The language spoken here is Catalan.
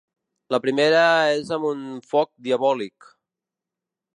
La primera és amb un foc diabòlic.